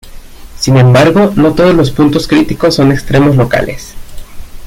Sin embargo, no todos los puntos críticos son extremos locales.